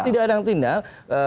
tidak ada yang tinggal